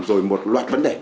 rồi một loạt vấn đề